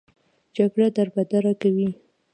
جګړه دربدره کوي